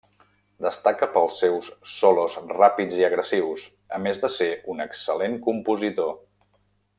Destaca pels seus solos ràpids i agressius, a més de ser un excel·lent compositor.